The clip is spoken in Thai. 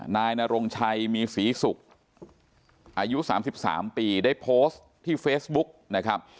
นายนรงชัยมีศรีศุกร์อายุ๓๓ปีได้โพสต์ที่เฟซบุ๊กนะครับ